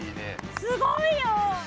すごいよ！